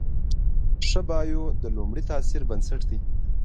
ښه بایو د لومړي تاثر بنسټ دی.